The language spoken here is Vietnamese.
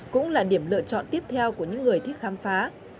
cũng là điểm lựa chọn tiếp theo của những người thích khám phá